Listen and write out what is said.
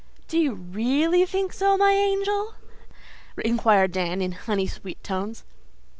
"Do you REALLY think so, my angel?" inquired Dan, in honey sweet tones.